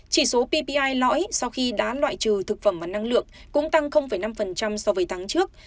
chỉ số ppi lõi sau khi đã loại trừ thực phẩm và năng lượng cũng tăng năm so với tháng trước